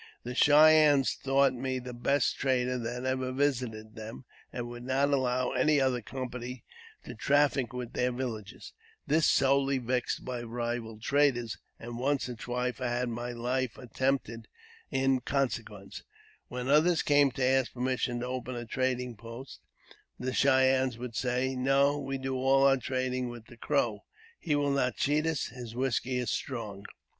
The Cheyennes thought me the best trader that ever visited them, and would not allow any other company to traffic with their villages. This sorely i JAMES P. BECKWOUBTH. 361 vexed my rival traders, and once or twice I had my life attempted in consequence. When others came to ask per mission to open a trading post, the Cheyennes would say, " No ; we do all our trading with the Crow. He will not cheat us. His whisky is strong."